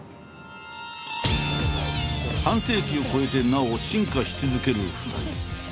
半世紀を超えてなお進化し続ける２人。